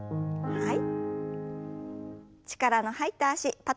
はい。